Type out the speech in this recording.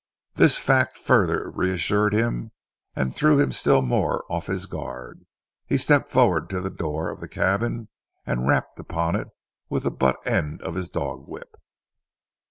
This fact further reassured him and threw him still more off his guard. He stepped forward to the door of the cabin and rapped upon it with the butt end of his dog whip.